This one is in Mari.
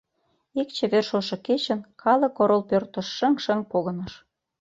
Ик чевер шошо кечын калык орол пӧртыш шыҥ-шыҥ погыныш.